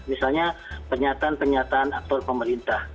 misalnya pernyataan pernyataan aktor pemerintah